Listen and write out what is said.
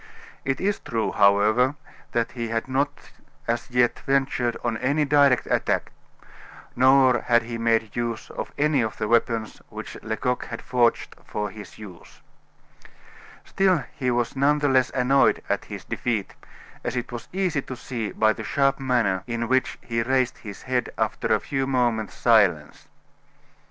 It is true, however, that he had not as yet ventured on any direct attack, nor had he made use of any of the weapons which Lecoq had forged for his use. Still he was none the less annoyed at his defeat, as it was easy to see by the sharp manner in which he raised his head after a few moments' silence.